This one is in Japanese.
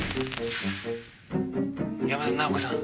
山田奈緒子さん。